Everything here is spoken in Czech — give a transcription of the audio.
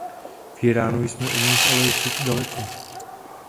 V Íránu jsme od nich ale ještě daleko.